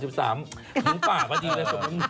หงุงปากว่าดีเลยครับ